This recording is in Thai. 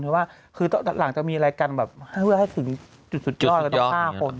หลังจะมีอะไรกันแบบเวลาจะถือจุดยอดแบบแบบต้องฆ่าคน